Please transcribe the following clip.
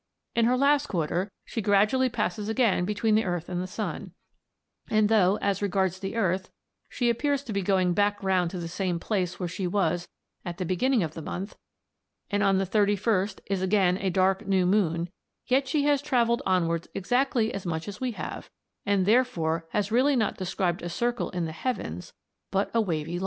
In her last quarter she gradually passes again between the earth and the sun; and though, as regards the earth, she appears to be going back round to the same place where she was at the beginning of the month, and on the 31st is again a dark new moon, yet she has travelled onwards exactly as much as we have, and therefore has really not described a circle in the heavens but a wavy line.